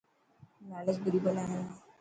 لالچ بري بلا هي.